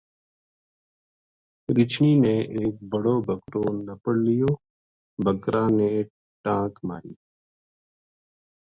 رچھنی نے ایک بڑو بکرو نپڑ لیو بکرا نے ٹانک ماری